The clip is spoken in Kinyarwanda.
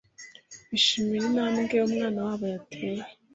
bishimira intambwe umwana wabo yateye.